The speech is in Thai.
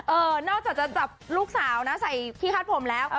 นอกจากจะจับลูกสาวนะใส่ที่คาดผมแล้ว